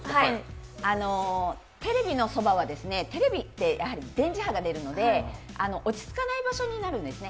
テレビのそば、はテレビってやはり電磁波が出るので落ち着かない場所になるんですね。